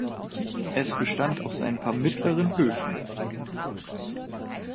Es bestand aus ein paar mittleren Höfen.